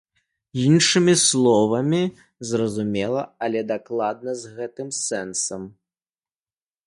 Іншымі словамі, зразумела, але дакладна з гэтым сэнсам.